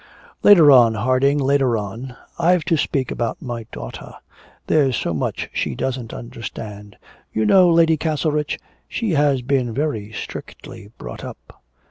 'Later on, Harding, later on, I've to speak about my daughter. There's so much she doesn't understand. You know, Lady Castlerich, she has been very strictly brought up.'